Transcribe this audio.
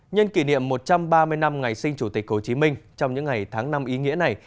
nhân kỷ niệm một trăm ba mươi năm ngày sinh chủ tịch hồ chí minh trong những ngày tháng năm ý nghĩa này